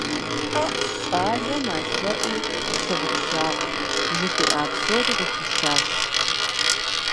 ЩӀалэм а лъэӀур щыгъупщакъым - жыхуиӀа псори къыхуишащ.